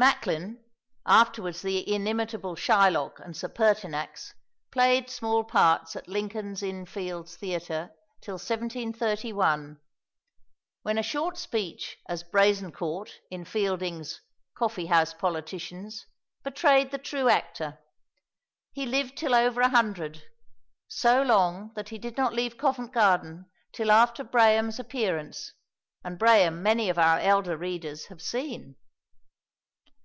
Macklin, afterwards the inimitable Shylock and Sir Pertinax, played small parts at Lincoln's Inn Fields Theatre till 1731, when a short speech as Brazencourt, in Fielding's "Coffee house Politicians," betrayed the true actor. He lived till over a hundred, so long that he did not leave Covent Garden till after Braham's appearance, and Braham many of our elder readers have seen.